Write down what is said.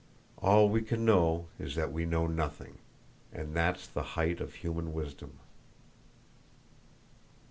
"All we can know is that we know nothing. And that's the height of human wisdom."